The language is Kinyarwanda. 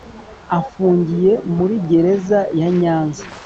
afungiye muri Gereza ya Nyanza